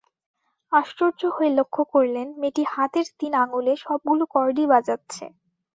আশ্চর্য হয়ে লক্ষ করলেন, মেয়েটি হাতের তিন আঙুলে সবগুলো কর্ডই বাজাচ্ছে।